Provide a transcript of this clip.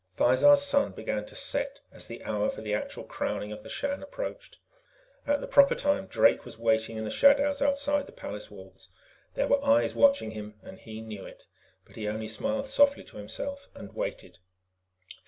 Thizar's sun began to set as the hour for the actual Crowning of the Shan approached. At the proper time, Drake was waiting in the shadows outside the palace walls. There were eyes watching him, and he knew it, but he only smiled softly to himself and waited.